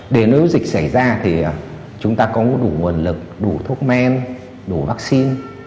để nếu dịch xảy ra thì chúng ta có đủ nguồn lực đủ thuốc men đủ vaccine